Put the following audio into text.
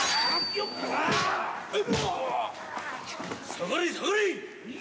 下がれ下がれ。